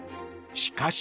しかし。